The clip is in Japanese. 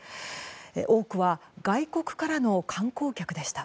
多くは外国からの観光客でした。